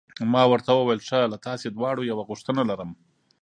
ما ورته وویل: ښه، له تاسي دواړو یوه غوښتنه لرم.